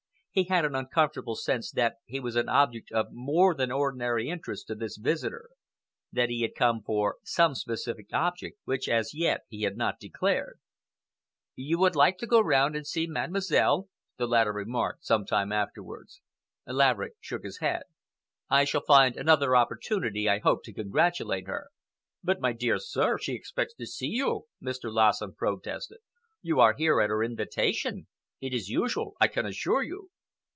He had an uncomfortable sense that he was an object of more than ordinary interest to this visitor, that he had come for some specific object which as yet he had not declared. "You will like to go round and see Mademoiselle," the latter remarked, some time afterwards. Laverick shook his head. "I shall find another opportunity, I hope, to congratulate her." "But, my dear sir, she expects to see you," Mr. Lassen protested. "You are here at her invitation. It is usual, I can assure you."